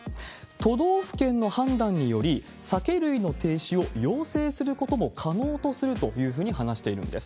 都道府県の判断により、酒類の停止を要請することも可能とするというふうに話しているんです。